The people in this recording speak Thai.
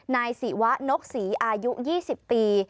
นายสีวะนกสีอายุ๒๐ปี